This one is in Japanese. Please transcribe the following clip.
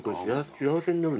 幸せになる。